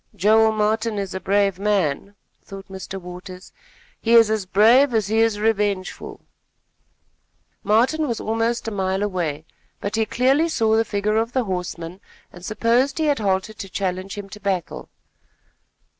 "Joel Martin is a brave man," thought Mr. Waters. "He is as brave as he is revengeful." Martin was almost a mile away; but he clearly saw the figure of the horseman and supposed he had halted to challenge him to battle.